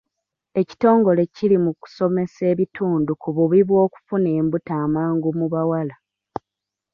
Ekitongole kiri mu kusomesa ebitundu ku bubi bw'okufuna embuto amangu mu bawala.